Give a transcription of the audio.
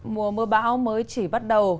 mùa mưa bão mới chỉ bắt đầu